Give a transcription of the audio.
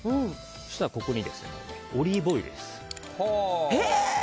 そしたらここにオリーブオイルです。